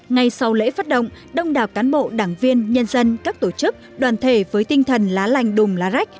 ngay sau lễ phát động đông đảo cán bộ đảng viên nhân dân các tổ chức đoàn thể với tinh thần lá lành đùm lá rách